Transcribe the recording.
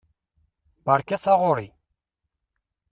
Beṛka taɣuṛi!